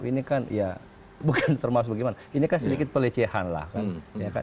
ini kan ya bukan termasuk bagaimana ini kan sedikit pelecehan lah kan